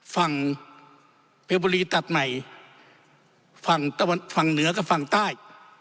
ฝั่งเพชรบุรีตัดใหม่ฝั่งเหนือกับฝั่งใต้